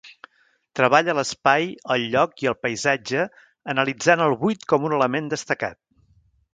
Treballa l'espai, el lloc i el paisatge, analitzant el buit com un element destacat.